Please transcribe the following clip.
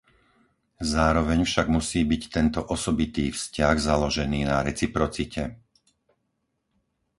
Zároveň však musí byť tento osobitý vzťah založený na reciprocite.